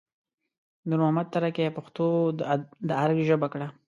نور محمد تره کي پښتو د ارګ ژبه کړه